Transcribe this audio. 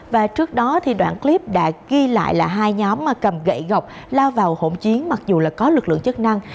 và trước đó đoạn clip đã ghi lại là hai nhóm cầm gậy gọc lao vào hỗn chiến mặc dù có lực lượng chất năng